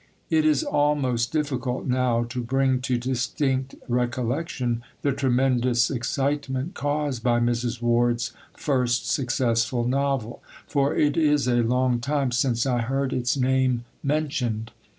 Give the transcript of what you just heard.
It is almost difficult now to bring to distinct recollection the tremendous excitement caused by Mrs. Ward's first successful novel, for it is a long time since I heard its name mentioned.